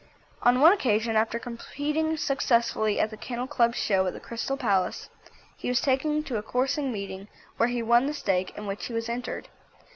On one occasion after competing successfully at the Kennel Club Show at the Crystal Palace, he was taken to a coursing meeting where he won the stake in which he was entered.